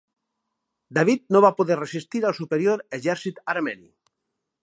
David no va poder resistir al superior exèrcit armeni.